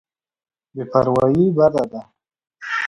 بې پرواهي بد دی.